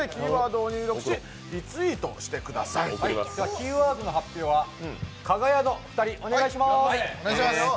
キーワードの発表はかが屋のお二人お願いします。